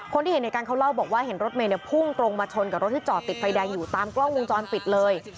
ที่เห็นในการเขาเล่าบอกว่าเห็นรถเมย์พุ่งตรงมาชนกับรถที่จอดติดไฟแดงอยู่ตามกล้องวงจรปิดเลย